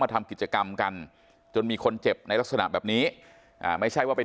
ทำกิจกรรมกันจนมีคนเจ็บในลักษณะแบบนี้ไม่ใช่ว่าไป